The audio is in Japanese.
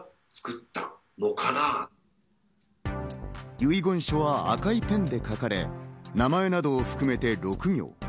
遺言書は赤いペンで書かれ名前などを含めて６行。